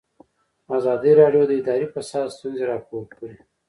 ازادي راډیو د اداري فساد ستونزې راپور کړي.